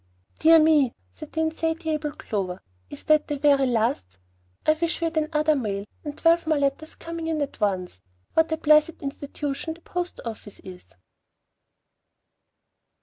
"Dear me!" said the insatiable Clover, "is that the very last? I wish we had another mail, and twelve more letters coming in at once. What a blessed institution the post office is!"